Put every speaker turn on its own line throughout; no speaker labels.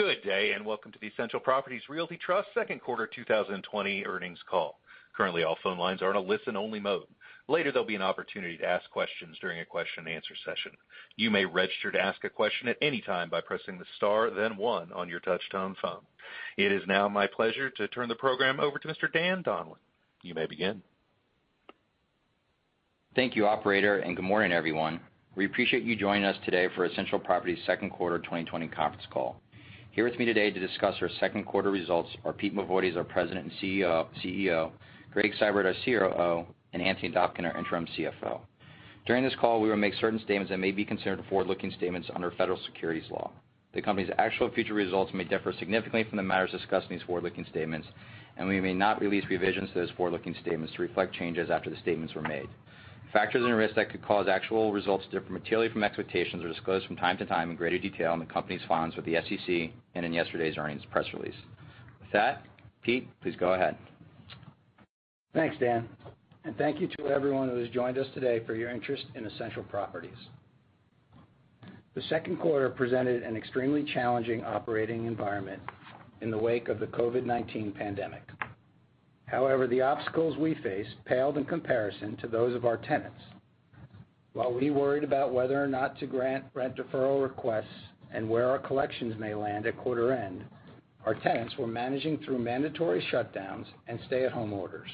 Good day, welcome to the Essential Properties Realty Trust second quarter 2020 earnings call. Currently, all phone lines are in a listen-only mode. Later, there'll be an opportunity to ask questions during a question and answer session. You may register to ask a question at any time by pressing the star, then one on your touch-tone phone. It is now my pleasure to turn the program over to Mr. Dan Donlan. You may begin.
Thank you, operator. Good morning, everyone. We appreciate you joining us today for Essential Properties' second quarter 2020 conference call. Here with me today to discuss our second quarter results are Pete Mavoides, our President and CEO; Gregg Seibert, our COO; and Anthony Dobkin, our Interim CFO. During this call, we will make certain statements that may be considered forward-looking statements under federal securities law. The company's actual future results may differ significantly from the matters discussed in these forward-looking statements, and we may not release revisions to those forward-looking statements to reflect changes after the statements were made. Factors and risks that could cause actual results to differ materially from expectations are disclosed from time to time in greater detail in the company's filings with the SEC and in yesterday's earnings press release. With that, Pete, please go ahead.
Thanks, Dan, and thank you to everyone who has joined us today for your interest in Essential Properties. The second quarter presented an extremely challenging operating environment in the wake of the COVID-19 pandemic. However, the obstacles we faced paled in comparison to those of our tenants. While we worried about whether or not to grant rent deferral requests and where our collections may land at quarter end, our tenants were managing through mandatory shutdowns and stay-at-home orders.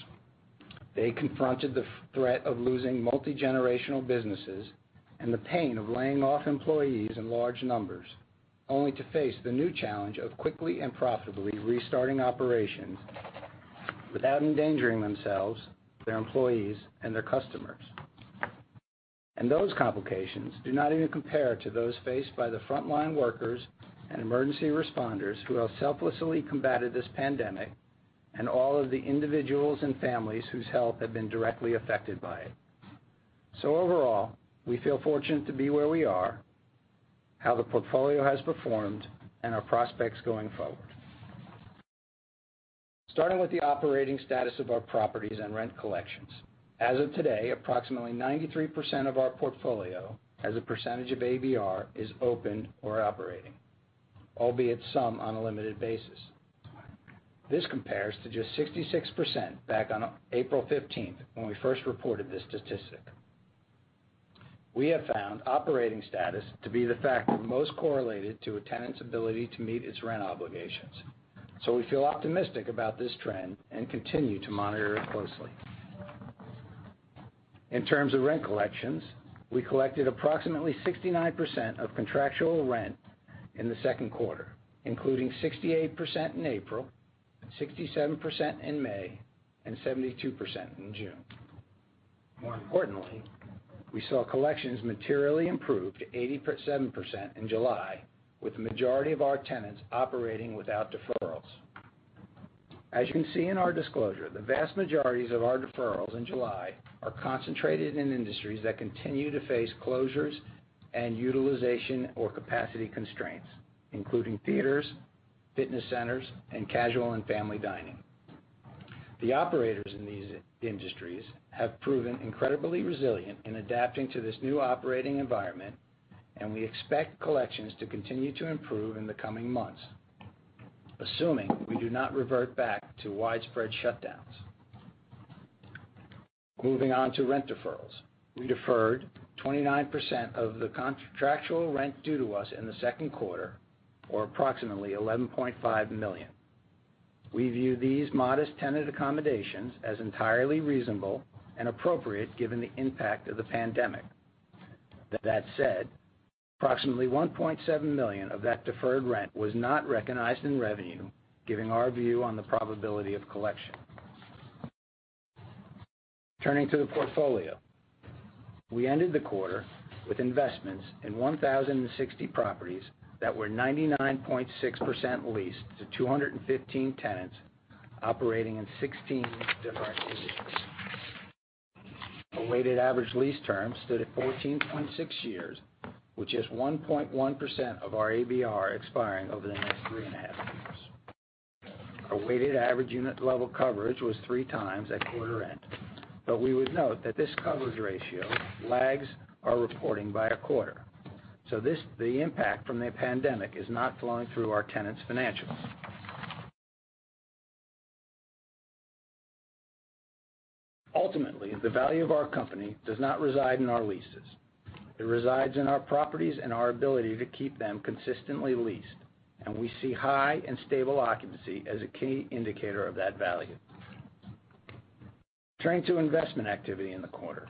They confronted the threat of losing multi-generational businesses and the pain of laying off employees in large numbers, only to face the new challenge of quickly and profitably restarting operations without endangering themselves, their employees, and their customers. Those complications do not even compare to those faced by the frontline workers and emergency responders who have selflessly combated this pandemic, and all of the individuals and families whose health have been directly affected by it. Overall, we feel fortunate to be where we are, how the portfolio has performed, and our prospects going forward. Starting with the operating status of our properties and rent collections. As of today, approximately 93% of our portfolio as a percentage of ABR is open or operating, albeit some on a limited basis. This compares to just 66% back on April 15th when we first reported this statistic. We have found operating status to be the factor most correlated to a tenant's ability to meet its rent obligations. We feel optimistic about this trend and continue to monitor it closely. In terms of rent collections, we collected approximately 69% of contractual rent in the second quarter, including 68% in April, 67% in May, and 72% in June. More importantly, we saw collections materially improve to 87% in July, with the majority of our tenants operating without deferrals. As you can see in our disclosure, the vast majorities of our deferrals in July are concentrated in industries that continue to face closures and utilization or capacity constraints, including theaters, fitness centers, and casual and family dining. The operators in these industries have proven incredibly resilient in adapting to this new operating environment, and we expect collections to continue to improve in the coming months, assuming we do not revert back to widespread shutdowns. Moving on to rent deferrals. We deferred 29% of the contractual rent due to us in the second quarter, or approximately $11.5 million. We view these modest tenant accommodations as entirely reasonable and appropriate given the impact of the pandemic. Approximately $1.7 million of that deferred rent was not recognized in revenue, giving our view on the probability of collection. Turning to the portfolio. We ended the quarter with investments in 1,060 properties that were 99.6% leased to 215 tenants operating in 16 different cities. A weighted average lease term stood at 14.6 years, with just 1.1% of our ABR expiring over the next three and a half years. Our weighted average unit level coverage was three times at quarter end. We would note that this coverage ratio lags our reporting by a quarter. The impact from the pandemic is not flowing through our tenants' financials. Ultimately, the value of our company does not reside in our leases. It resides in our properties and our ability to keep them consistently leased, and we see high and stable occupancy as a key indicator of that value. Turning to investment activity in the quarter.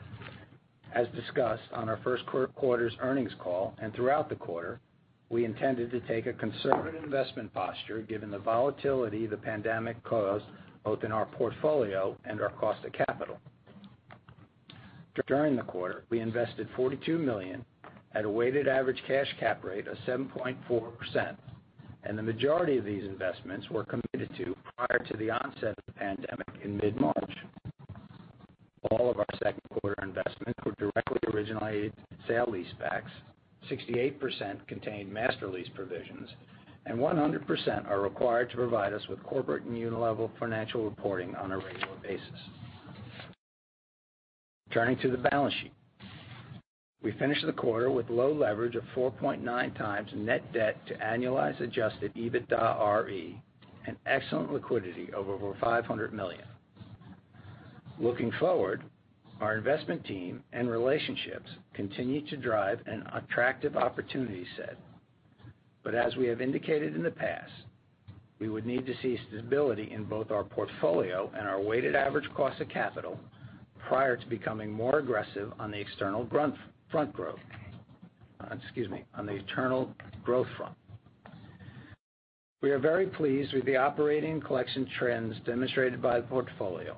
As discussed on our first quarter's earnings call and throughout the quarter, we intended to take a conservative investment posture given the volatility the pandemic caused both in our portfolio and our cost of capital. During the quarter, we invested $42 million at a weighted average cash cap rate of 7.4%, and the majority of these investments were committed to prior to the onset of the pandemic in mid-March. All of our second quarter investments were directly originated sale-leasebacks, 68% contained master lease provisions, and 100% are required to provide us with corporate and unit-level financial reporting on a regular basis. Turning to the balance sheet. We finished the quarter with low leverage of 4.9x net debt to annualized adjusted EBITDAre, and excellent liquidity of over $500 million. Looking forward, our investment team and relationships continue to drive an attractive opportunity set. As we have indicated in the past, we would need to see stability in both our portfolio and our weighted average cost of capital prior to becoming more aggressive on the external growth front. We are very pleased with the operating collection trends demonstrated by the portfolio.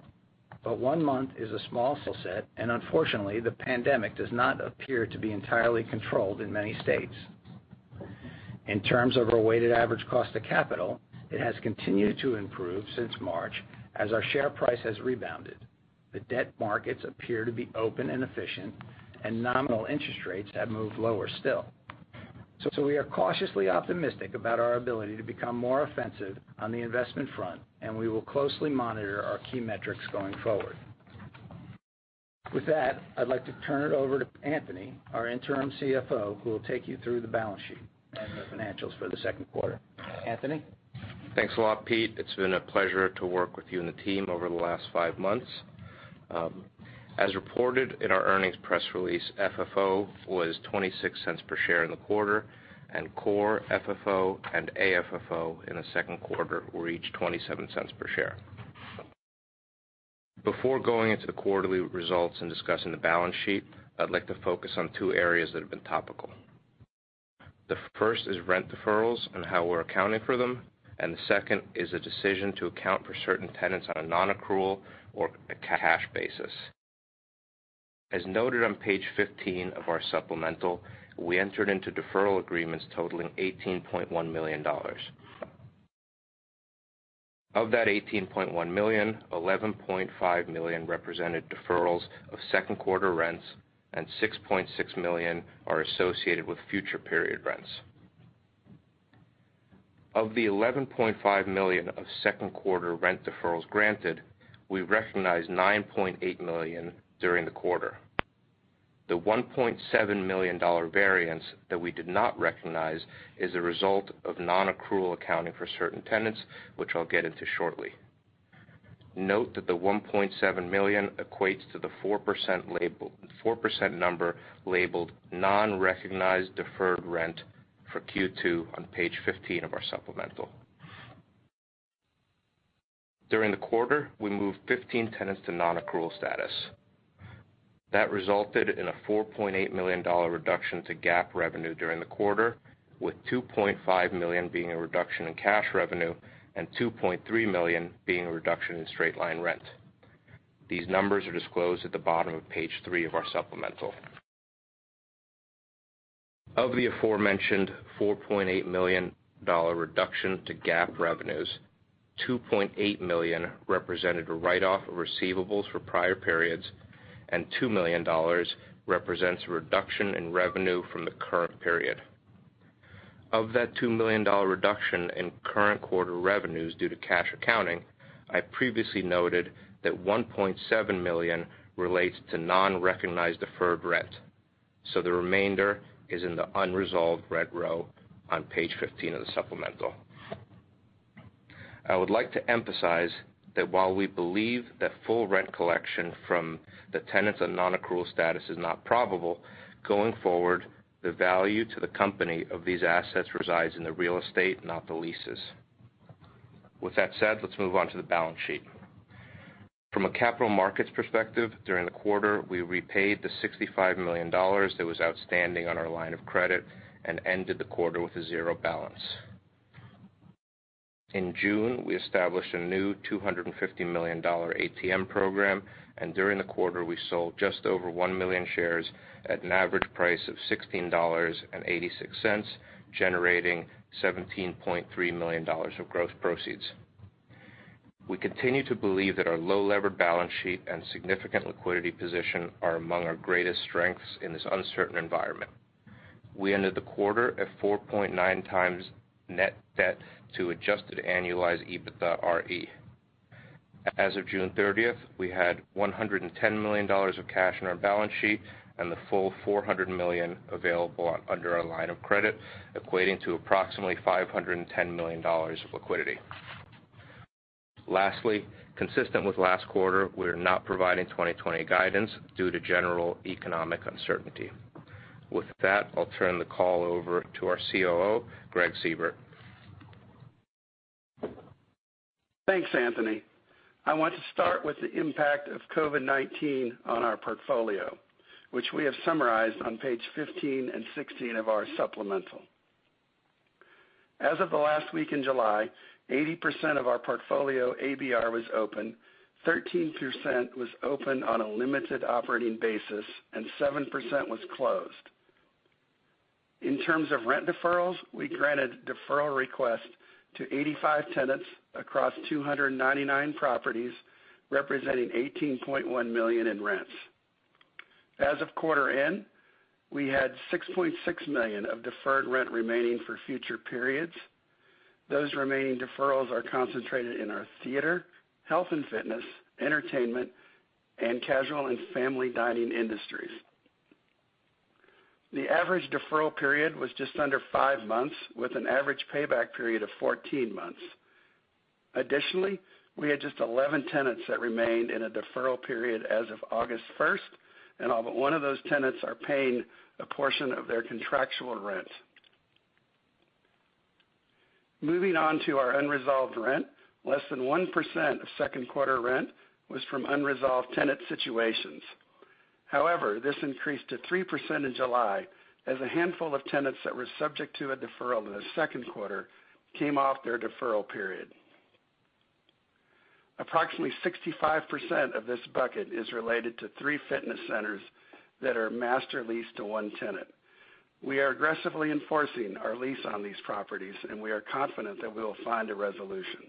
One month is a small set, and unfortunately, the pandemic does not appear to be entirely controlled in many states. In terms of our weighted average cost of capital, it has continued to improve since March as our share price has rebounded. The debt markets appear to be open and efficient, and nominal interest rates have moved lower still. We are cautiously optimistic about our ability to become more offensive on the investment front, and we will closely monitor our key metrics going forward. With that, I'd like to turn it over to Anthony, our interim CFO, who will take you through the balance sheet and the financials for the second quarter. Anthony?
Thanks a lot, Pete. It's been a pleasure to work with you and the team over the last five months. As reported in our earnings press release, FFO was $0.26 per share in the quarter, and core FFO and AFFO in the second quarter were each $0.27 per share. Before going into the quarterly results and discussing the balance sheet, I'd like to focus on two areas that have been topical. The first is rent deferrals and how we're accounting for them, and the second is the decision to account for certain tenants on a non-accrual or a cash basis. As noted on page 15 of our supplemental, we entered into deferral agreements totaling $18.1 million. Of that $18.1 million, $11.5 million represented deferrals of second quarter rents, and $6.6 million are associated with future period rents. Of the $11.5 million of second quarter rent deferrals granted, we recognized $9.8 million during the quarter. The $1.7 million variance that we did not recognize is a result of non-accrual accounting for certain tenants, which I'll get into shortly. Note that the $1.7 million equates to the 4% number labeled non-recognized deferred rent for Q2 on page 15 of our supplemental. During the quarter, we moved 15 tenants to non-accrual status. That resulted in a $4.8 million reduction to GAAP revenue during the quarter, with $2.5 million being a reduction in cash revenue and $2.3 million being a reduction in straight-line rent. These numbers are disclosed at the bottom of page three of our supplemental. Of the aforementioned $4.8 million reduction to GAAP revenues, $2.8 million represented a write-off of receivables for prior periods, and $2 million represents a reduction in revenue from the current period. Of that $2 million reduction in current quarter revenues due to cash accounting, I previously noted that $1.7 million relates to non-recognized deferred rent. The remainder is in the unresolved red row on page 15 of the supplemental. I would like to emphasize that while we believe that full rent collection from the tenants on non-accrual status is not probable, going forward, the value to the company of these assets resides in the real estate, not the leases. With that said, let's move on to the balance sheet. From a capital markets perspective, during the quarter, we repaid the $65 million that was outstanding on our line of credit and ended the quarter with a zero balance. In June, we established a new $250 million ATM program. During the quarter, we sold just over 1 million shares at an average price of $16.86, generating $17.3 million of gross proceeds. We continue to believe that our low levered balance sheet and significant liquidity position are among our greatest strengths in this uncertain environment. We ended the quarter at 4.9x net debt to adjusted annualized EBITDAre. As of June 30th, we had $110 million of cash on our balance sheet and the full $400 million available under our line of credit, equating to approximately $510 million of liquidity. Lastly, consistent with last quarter, we are not providing 2020 guidance due to general economic uncertainty. With that, I'll turn the call over to our COO, Gregg Seibert.
Thanks, Anthony. I want to start with the impact of COVID-19 on our portfolio, which we have summarized on page 15 and 16 of our supplemental. As of the last week in July, 80% of our portfolio ABR was open, 13% was open on a limited operating basis, and 7% was closed. In terms of rent deferrals, we granted deferral requests to 85 tenants across 299 properties, representing $18.1 million in rents. As of quarter end, we had $6.6 million of deferred rent remaining for future periods. Those remaining deferrals are concentrated in our theater, health and fitness, entertainment, and casual and family dining industries. The average deferral period was just under five months with an average payback period of 14 months. Additionally, we had just 11 tenants that remained in a deferral period as of August 1st, and all but one of those tenants are paying a portion of their contractual rent. Moving on to our unresolved rent. Less than 1% of second quarter rent was from unresolved tenant situations. However, this increased to 3% in July, as a handful of tenants that were subject to a deferral in the second quarter came off their deferral period. Approximately 65% of this bucket is related to three fitness centers that are master leased to one tenant. We are aggressively enforcing our lease on these properties, and we are confident that we will find a resolution.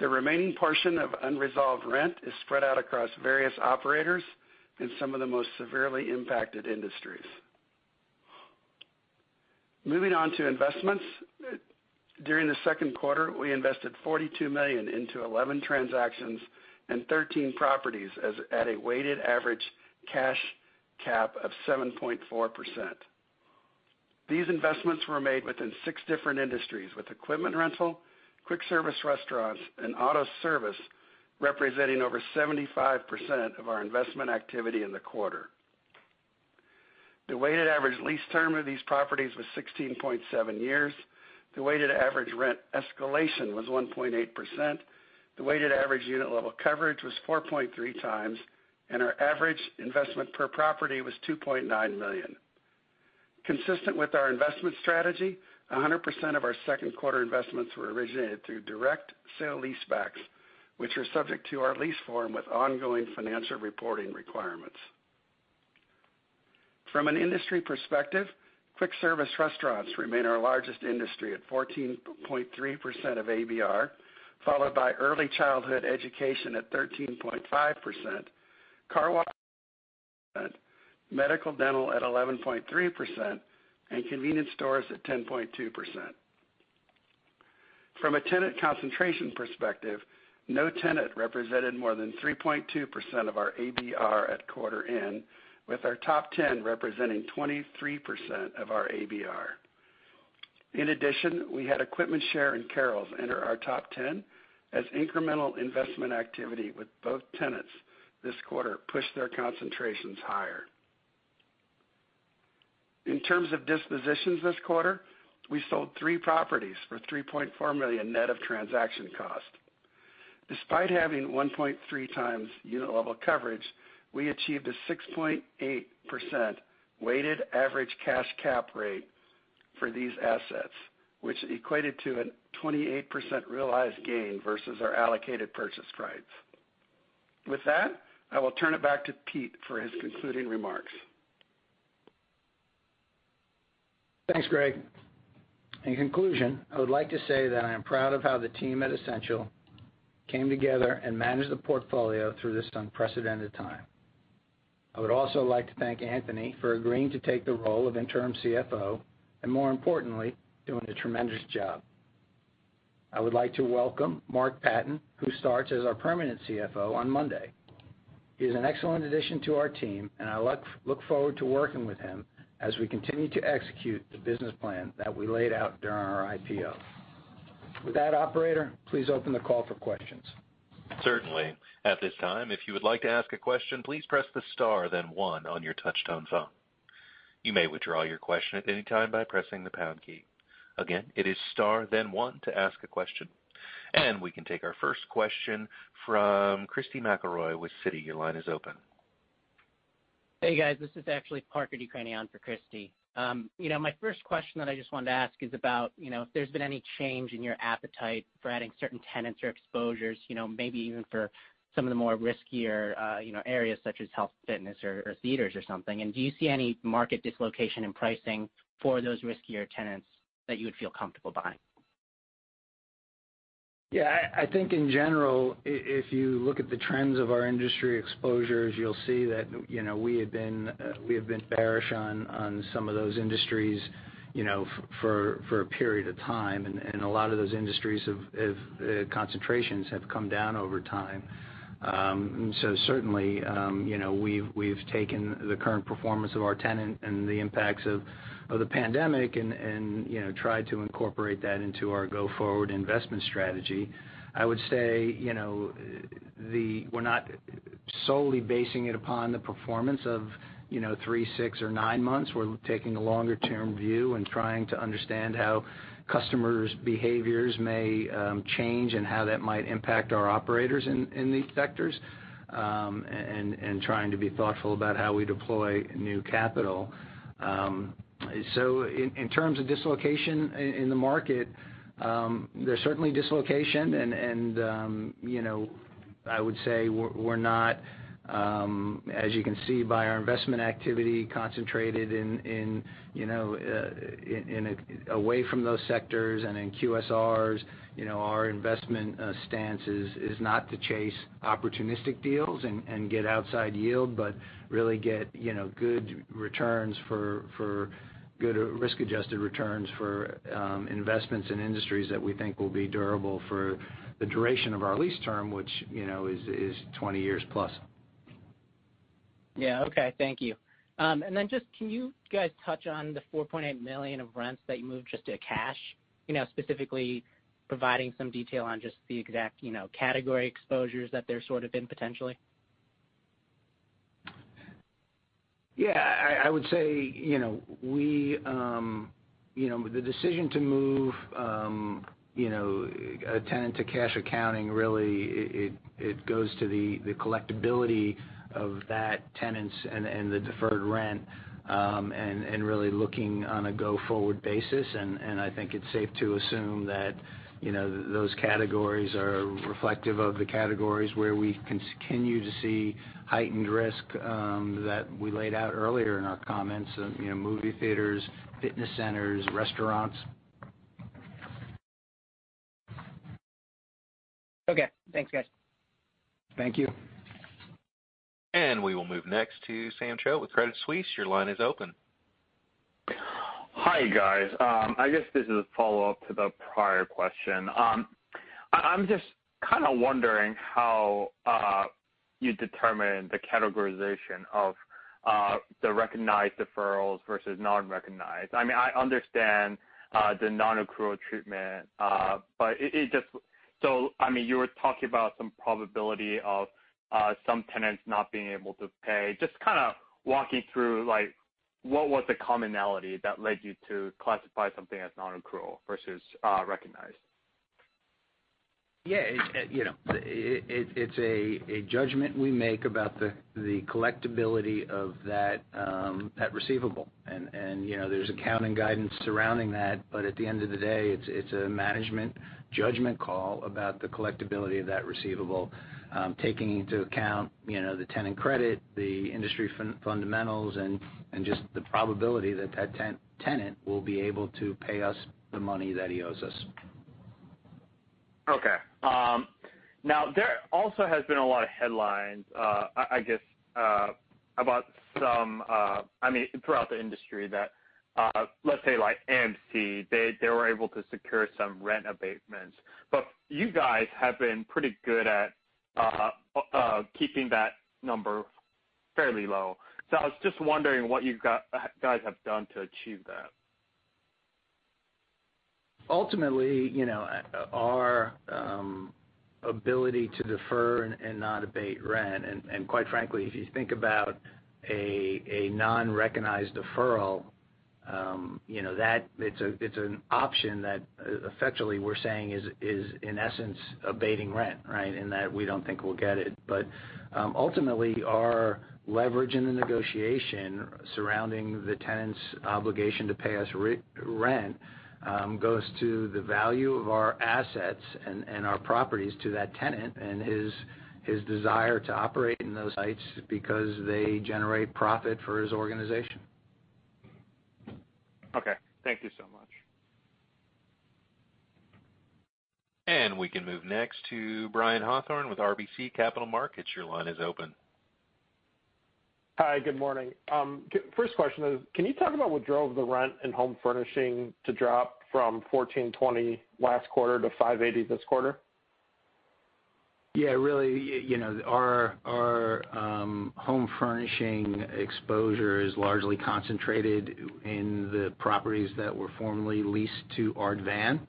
The remaining portion of unresolved rent is spread out across various operators in some of the most severely impacted industries. Moving on to investments. During the second quarter, we invested $42 million into 11 transactions and 13 properties at a weighted average cash cap of 7.4%. These investments were made within six different industries, with equipment rental, quick service restaurants, and auto service representing over 75% of our investment activity in the quarter. The weighted average lease term of these properties was 16.7 years. The weighted average rent escalation was 1.8%. The weighted average unit level coverage was 4.3x, and our average investment per property was $2.9 million. Consistent with our investment strategy, 100% of our second quarter investments were originated through direct sale-leasebacks, which were subject to our lease form with ongoing financial reporting requirements. From an industry perspective, quick service restaurants remain our largest industry at 14.3% of ABR, followed by early childhood education at 13.5%, car wash at 12.8%, medical/dental at 11.3%, and convenience stores at 10.2%. From a tenant concentration perspective, no tenant represented more than 3.2% of our ABR at quarter end, with our top 10 representing 23% of our ABR. In addition, we had EquipmentShare and Carrols enter our top 10 as incremental investment activity with both tenants this quarter pushed their concentrations higher. In terms of dispositions this quarter, we sold three properties for $3.4 million net of transaction cost. Despite having 1.3x unit level coverage, we achieved a 6.8% weighted average cash cap rate for these assets, which equated to a 28% realized gain versus our allocated purchase price. With that, I will turn it back to Pete for his concluding remarks.
Thanks, Gregg. In conclusion, I would like to say that I am proud of how the team at Essential came together and managed the portfolio through this unprecedented time. I would also like to thank Anthony for agreeing to take the role of interim CFO, and more importantly, doing a tremendous job. I would like to welcome Mark Patten, who starts as our permanent CFO on Monday. He's an excellent addition to our team, and I look forward to working with him as we continue to execute the business plan that we laid out during our IPO. With that, operator, please open the call for questions.
Certainly. At this time, if you would like to ask a question, please press the star then one on your touch tone phone. You may withdraw your question at any time by pressing the pound key. Again, it is star then one to ask a question. We can take our first question from Christy McElroy with Citi. Your line is open.
Hey, guys, this is actually Parker Decraene for Christy. My first question that I just wanted to ask is about if there's been any change in your appetite for adding certain tenants or exposures, maybe even for some of the more riskier areas such as health, fitness or theaters or something. Do you see any market dislocation in pricing for those riskier tenants that you would feel comfortable buying?
I think in general, if you look at the trends of our industry exposures, you'll see that we have been bearish on some of those industries for a period of time. A lot of those industries, the concentrations have come down over time. Certainly, we've taken the current performance of our tenant and the impacts of the pandemic and tried to incorporate that into our go-forward investment strategy. I would say we're not solely basing it upon the performance of three, six, or nine months. We're taking a longer-term view and trying to understand how customers' behaviors may change and how that might impact our operators in these sectors, and trying to be thoughtful about how we deploy new capital. In terms of dislocation in the market, there's certainly dislocation and I would say we're not, as you can see by our investment activity, concentrated away from those sectors and in QSR. As far as our investment stance is not to chase opportunistic deals and get outside yield, but really get good risk-adjusted returns for investments in industries that we think will be durable for the duration of our lease term, which is 20+ years.
Yeah. Okay. Thank you. Then just can you guys touch on the $4.8 million of rents that you moved just to cash? Specifically providing some detail on just the exact category exposures that they're sort of in potentially.
Yeah. I would say, the decision to move a tenant to cash accounting really, it goes to the collectibility of that tenants and the deferred rent, and really looking on a go-forward basis. I think it's safe to assume that those categories are reflective of the categories where we continue to see heightened risk that we laid out earlier in our comments of movie theaters, fitness centers, restaurants.
Okay. Thanks, guys.
Thank you.
We will move next to Sam Choe with Credit Suisse. Your line is open.
Hi, guys. I guess this is a follow-up to the prior question. I'm just kind of wondering how you determine the categorization of the recognized deferrals versus non-recognized. I understand the non-accrual treatment. You were talking about some probability of some tenants not being able to pay. Just kind of walking through what was the commonality that led you to classify something as non-accrual versus recognized?
Yeah. It's a judgment we make about the collectibility of that receivable. There's accounting guidance surrounding that, at the end of the day, it's a management judgment call about the collectibility of that receivable, taking into account the tenant credit, the industry fundamentals, and just the probability that that tenant will be able to pay us the money that he owes us.
Okay. There also has been a lot of headlines, I guess, throughout the industry that let's say like AMC, they were able to secure some rent abatements. You guys have been pretty good at keeping that number fairly low. I was just wondering what you guys have done to achieve that.
Ultimately, our ability to defer and not abate rent, and quite frankly, if you think about a non-recognized deferral, it's an option that effectively we're saying is in essence abating rent, right? In that we don't think we'll get it. Ultimately our leverage in the negotiation surrounding the tenant's obligation to pay us rent goes to the value of our assets and our properties to that tenant and his desire to operate in those sites because they generate profit for his organization.
Okay. Thank you so much.
We can move next to Brian Hawthorne with RBC Capital Markets. Your line is open.
Hi, good morning. First question is, can you talk about what drove the rent and home furnishing to drop from 14.20% last quarter to 5.80% this quarter?
Yeah, really, our home furnishing exposure is largely concentrated in the properties that were formerly leased to Art Van.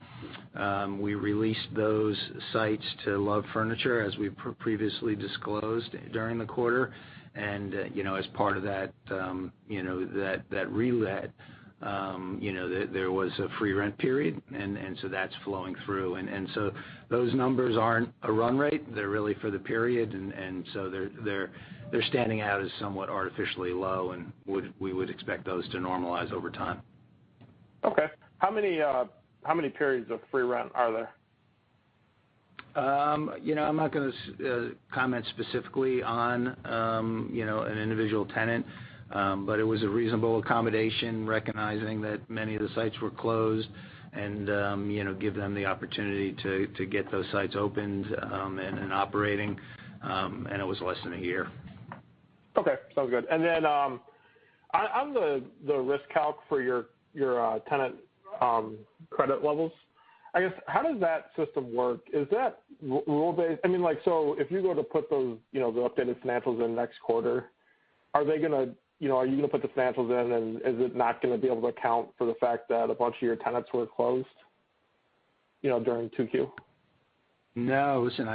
We re-leased those sites to Love Furniture, as we previously disclosed during the quarter. As part of that relet there was a free rent period, That's flowing through. Those numbers aren't a run rate. They're really for the period. They're standing out as somewhat artificially low, and we would expect those to normalize over time.
Okay. How many periods of free rent are there?
I'm not going to comment specifically on an individual tenant. It was a reasonable accommodation, recognizing that many of the sites were closed and give them the opportunity to get those sites opened and operating, and it was less than a year.
Okay. Sounds good. On the RiskCalc for your tenant credit levels, I guess how does that system work? Is that rule-based? If you were to put those updated financials in next quarter, are you going to put the financials in and is it not going to be able to account for the fact that a bunch of your tenants were closed during 2Q?
No. Listen,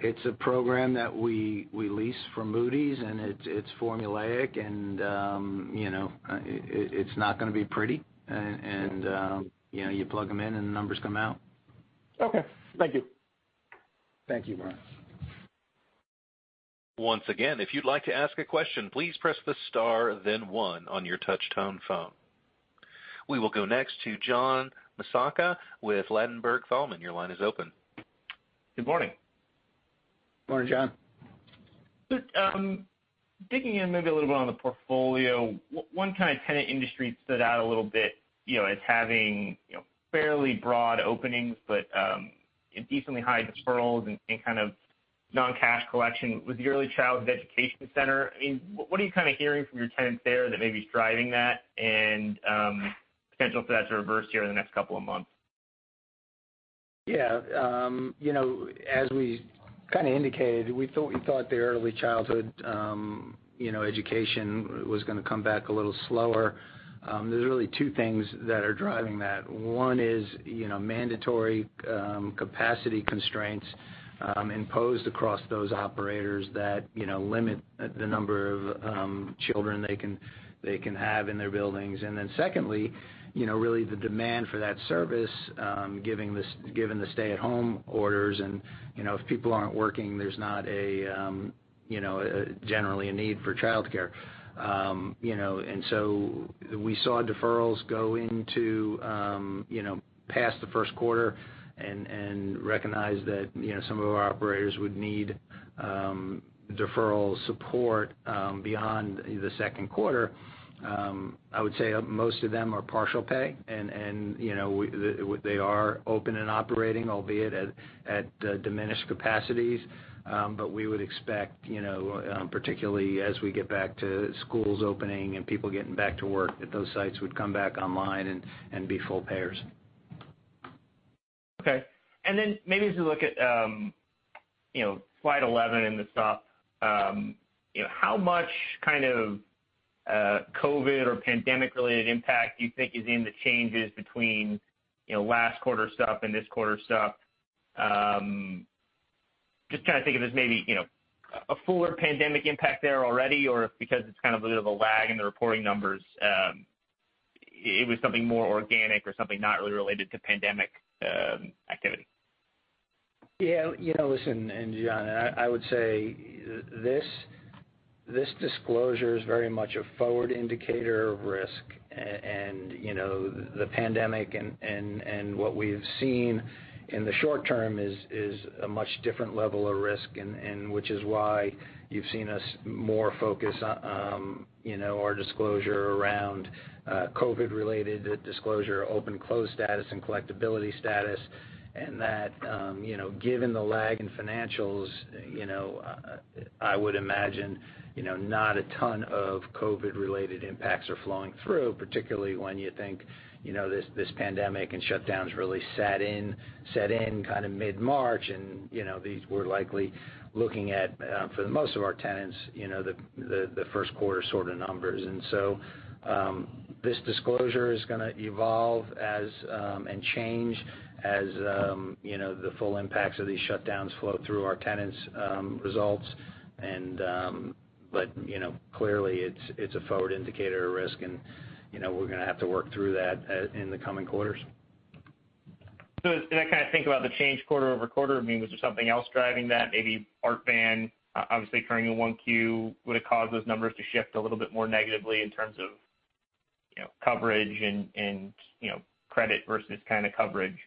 it's a program that we lease from Moody's, it's formulaic, and it's not going to be pretty. You plug them in and the numbers come out.
Okay. Thank you.
Thank you, Brian.
Once again, if you'd like to ask a question, please press the star then one on your touch tone phone. We will go next to John Massocca with Ladenburg Thalmann. Your line is open.
Good morning.
Morning, John.
Just digging in maybe a little bit on the portfolio. One kind of tenant industry stood out a little bit, as having fairly broad openings but decently high deferrals and kind of non-cash collection with the early childhood education center. What are you kind of hearing from your tenants there that may be driving that and potential for that to reverse here in the next couple of months?
Yeah. As we kind of indicated, we thought the early childhood education was going to come back a little slower. There's really two things that are driving that. One is, mandatory capacity constraints imposed across those operators that limit the number of children they can have in their buildings. Secondly, really the demand for that service, given the stay-at-home orders. If people aren't working, there's not generally a need for childcare. We saw deferrals go into past the first quarter and recognized that some of our operators would need deferral support beyond the second quarter. I would say most of them are partial pay and they are open and operating, albeit at diminished capacities. We would expect, particularly as we get back to schools opening and people getting back to work, that those sites would come back online and be full payers.
Okay. Then maybe as we look at slide 11 in the supp. How much kind of COVID or pandemic-related impact do you think is in the changes between last quarter supp and this quarter supp? Just trying to think of this maybe a fuller pandemic impact there already, or if because it's kind of a little of a lag in the reporting numbers, it was something more organic or something not really related to pandemic activity.
Listen, John, I would say this disclosure is very much a forward indicator of risk. The pandemic and what we've seen in the short term is a much different level of risk. Which is why you've seen us more focus on our disclosure around COVID-related disclosure, open-close status, and collectibility status. That given the lag in financials, I would imagine, not a ton of COVID-related impacts are flowing through, particularly when you think this pandemic and shutdowns really set in kind of mid-March. These we're likely looking at, for the most of our tenants, the first quarter sort of numbers. This disclosure is going to evolve and change as the full impacts of these shutdowns flow through our tenants' results. Clearly it's a forward indicator of risk and we're going to have to work through that in the coming quarters.
Did I kind of think about the change quarter-over-quarter? I mean, was there something else driving that maybe Art Van obviously turning in 1Q, would've caused those numbers to shift a little bit more negatively in terms of coverage and credit versus kind of coverage?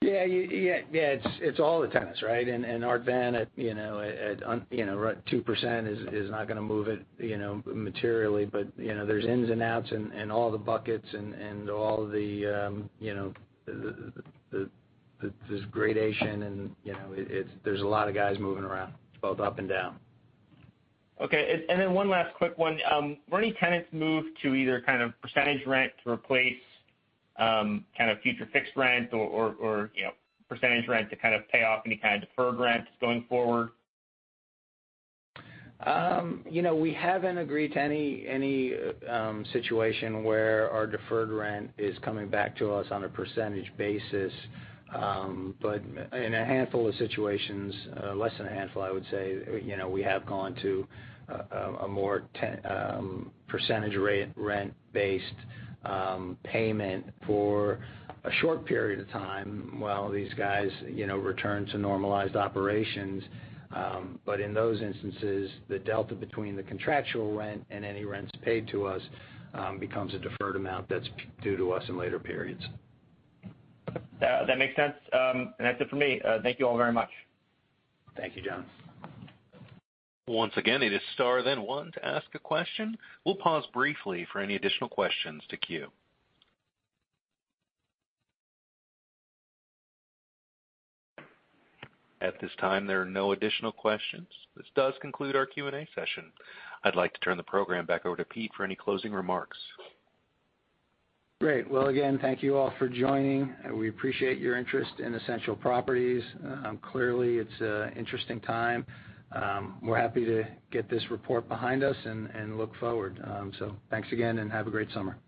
Yeah. It's all the tenants, right? Art Van at 2% is not going to move it materially, but there's ins and outs and all the buckets and all this gradation and there's a lot of guys moving around, both up and down.
Okay. One last quick one. Were any tenants moved to either kind of percentage rent to replace kind of future fixed rent or percentage rent to kind of pay off any kind of deferred rents going forward?
We haven't agreed to any situation where our deferred rent is coming back to us on a percentage basis. In a handful of situations, less than a handful I would say, we have gone to a more percentage rent-based payment for a short period of time while these guys return to normalized operations. In those instances, the delta between the contractual rent and any rents paid to us becomes a deferred amount that's due to us in later periods.
That makes sense. That's it for me. Thank you all very much.
Thank you, John.
Once again, it is star then one to ask a question. We will pause briefly for any additional questions to queue. At this time, there are no additional questions. This does conclude our Q&A session. I would like to turn the program back over to Pete for any closing remarks.
Great. Well, again, thank you all for joining. We appreciate your interest in Essential Properties. Clearly, it's an interesting time. We're happy to get this report behind us and look forward. Thanks again, and have a great summer.